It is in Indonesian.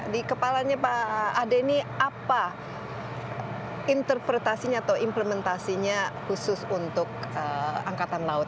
di kepalanya pak adeni apa interpretasinya atau implementasinya khusus untuk angkatan laut